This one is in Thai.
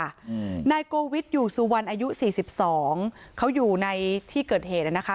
อืมนายโกวิทอยู่สุวรรณอายุสี่สิบสองเขาอยู่ในที่เกิดเหตุอ่ะนะคะ